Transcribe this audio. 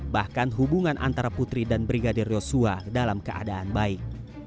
bahkan hubungan antara putri dan brigadir yosua dalam keadaan baik